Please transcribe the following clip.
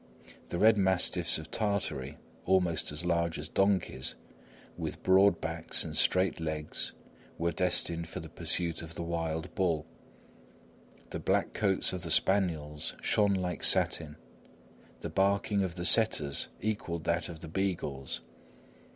The red mastiffs of Tartary, almost as large as donkeys, with broad backs and straight legs, were destined for the pursuit of the wild bull. The black coats of the spaniels shone like satin; the barking of the setters equalled that of the beagles.